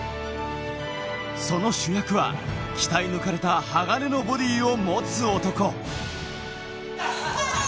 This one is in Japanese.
その主役は、鍛え抜かれた鋼のボディーを持つ男。